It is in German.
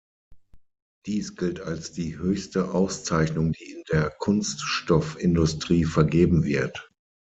Dies gilt als die höchste Auszeichnung, die in der Kunststoffindustrie vergeben wird.